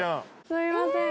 すいません。